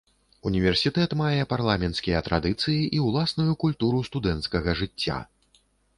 Універсітэт мае парламенцкія традыцыі і ўласную культуру студэнцкага жыцця.